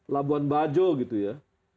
labuan bajo gitu ya